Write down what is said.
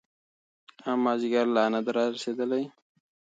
ایا مازیګر لا نه دی رارسېدلی؟